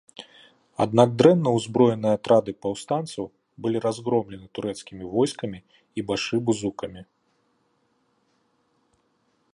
Аднак дрэнна ўзброеныя атрады паўстанцаў былі разгромлены турэцкімі войскамі і башыбузукамі.